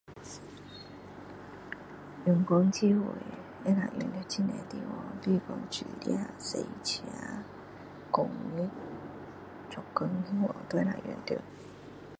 人工智能可以用在很多地方比如说煮饭驾车教育做工那样都能用到